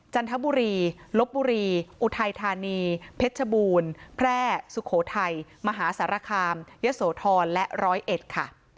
จันทบุรีลบบุรีอุทัยธานีเพชรบูรณ์แพร่สุโขทัยมหาสารคามยะโสธรและร้อยเอ็ดค่ะ